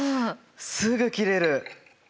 すぐ切れる。